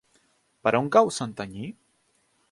Per on cau Santanyí?